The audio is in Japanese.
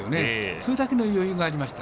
それだけの余裕がありました。